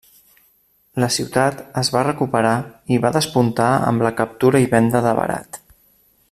La ciutat es va recuperar i va despuntar amb la captura i venda de verat.